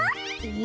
え？